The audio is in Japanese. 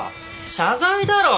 謝罪だろ！